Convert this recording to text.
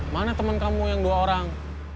mana teman kamu yang dua orang